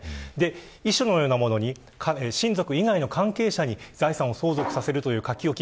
遺書のようなものに親族以外の関係者に財産を相続させるという書き置き。